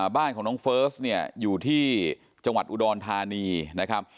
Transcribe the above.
บ้านของน้องเฟิร์สเนี่ยอยู่ที่จังหวัดอุดรธานีนะครับ